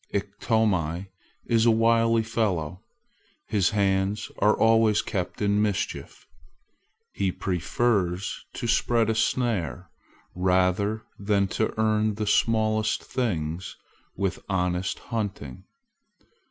Iktomi is a wily fellow. His hands are always kept in mischief. He prefers to spread a snare rather than to earn the smallest thing with honest hunting.